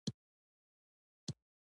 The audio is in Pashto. خندا کول کوچنی خنډ ګڼل کیږي.